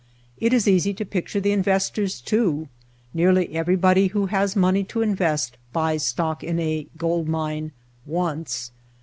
It is easy to picture the investors too. Nearly everybody who has money to invest buys stock in a gold mine once.